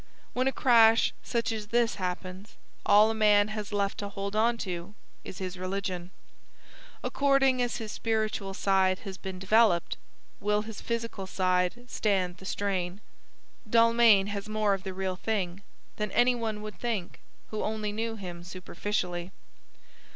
When a crash such as this happens, all a man has left to hold on to is his religion. According as his spiritual side has been developed, will his physical side stand the strain. Dalmain has more of the real thing than any one would think who only knew him superficially.